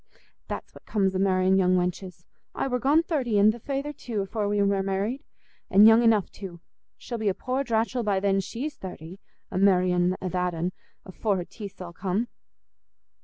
That's what comes o' marr'in' young wenches. I war gone thirty, an' th' feyther too, afore we war married; an' young enough too. She'll be a poor dratchell by then she's thirty, a marr'in' a that'n, afore her teeth's all come."